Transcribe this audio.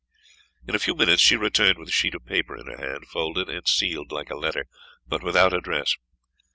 In a few minutes she returned with a sheet of paper in her hand, folded and sealed like a letter, but without address.